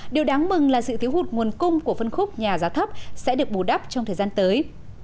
điều đáng mừng là sự thiếu hụt nguồn cung của phân khúc nhà giá thấp sẽ được bù đắp trong thời gian tới